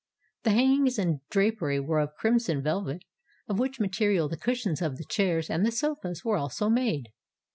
The hangings and drapery were of crimson velvet, of which material the cushions of the chairs and the sofas were also made.